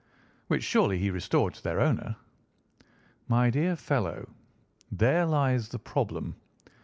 "Which surely he restored to their owner?" "My dear fellow, there lies the problem.